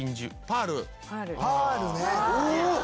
パールね。